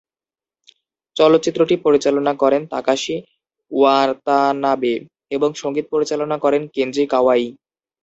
চলচ্চিত্রটি পরিচালনা করেন তাকাশি ওয়াতানাবে এবং সঙ্গীত পরিচালনা করেন কেনজি কাওয়াই।